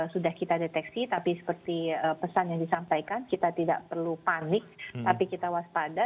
sudah kita deteksi tapi seperti pesan yang disampaikan kita tidak perlu panik tapi kita waspada